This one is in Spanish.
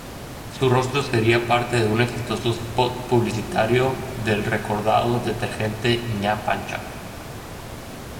Su rostro sería parte de un exitoso "spot" publicitario del recordado detergente Ña Pancha.